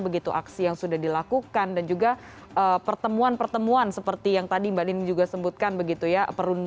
begitu aksi yang sudah dilakukan dan juga pertemuan pertemuan seperti yang tadi mbak nining juga sebutkan begitu ya